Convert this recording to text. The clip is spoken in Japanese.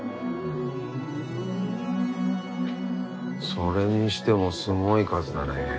それにしてもすごい数だね。